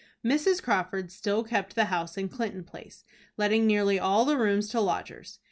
Mrs. Crawford still kept the house in Clinton Place, letting nearly all the rooms to lodgers.